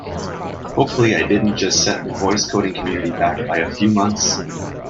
Hopefully I didn't just set the voice coding community back by a few months!